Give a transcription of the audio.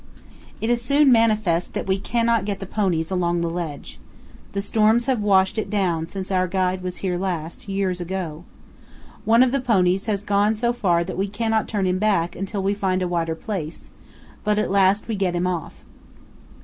It is soon manifest that we cannot get the ponies along the ledge. The storms have washed it down since our guide was here last, years ago. One of the ponies has gone so far that we cannot turn him back until we 314 CANYONS OF THE COLORADO. find a wider place, but at last we get him off.